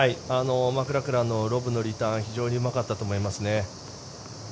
マクラクランのロブのリターン非常にうまかったと思いますね。